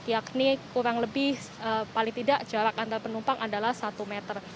yakni kurang lebih paling tidak jarak antar penumpang adalah satu meter